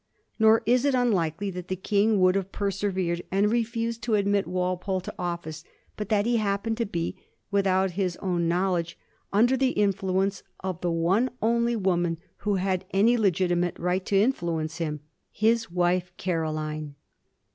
Nor is it unlikely that the King would have persevered and refused to admit Walpole to office but that he happened to be, without his own know ledge, under the influence of the one only woman who had any legitimate right to influence him— his wife Caroliue.